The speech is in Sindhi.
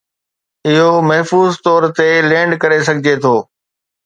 اهو محفوظ طور تي لينڊ ڪري سگهجي ٿو